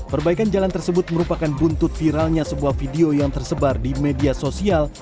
perbaikan jalan tersebut merupakan buntut viralnya sebuah video yang tersebar di media sosial